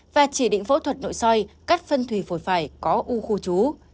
và chỉ định phẫu thuật nội soi cắt phân thủy phổi phải có u khu chú